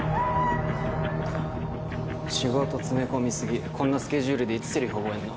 仕事詰め込みすぎこんなスケジュールでいつセリフ覚えんの？